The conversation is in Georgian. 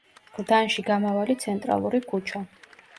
გლდანში გამავალი ცენტრალური ქუჩა.